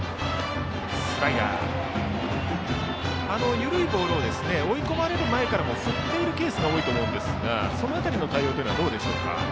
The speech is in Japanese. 緩いボールを追い込まれる前から振っているケースが多いと思うんですがその辺りの対応はいかがでしょうか？